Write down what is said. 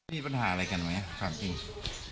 มีปัญหาอะไรกันไหมความจริง